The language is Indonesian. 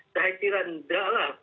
saya kira tidak lah